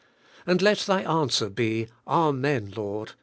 And let thy answer be, Amen, Lord!